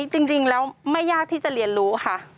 จริงแล้วไม่ยากที่จะเรียนรู้ค่ะ